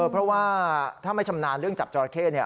เพราะว่าถ้าไม่ชำนาญเรื่องจับจอราเข้